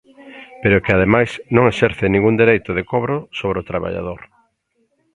Pero é que ademais non exerce ningún dereito de cobro sobre o traballador.